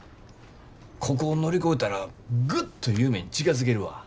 ここを乗り越えたらグッと夢に近づけるわ。